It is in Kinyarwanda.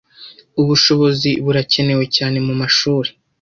ubushobozi burakenewe cyane mu mashuri